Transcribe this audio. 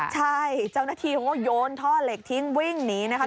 ใช่เจ้าหน้าที่เขาก็โยนท่อเหล็กทิ้งวิ่งหนีนะคะ